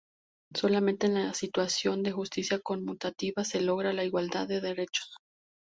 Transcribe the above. Solamente en la situación de justicia conmutativa se logra la igualdad de derechos.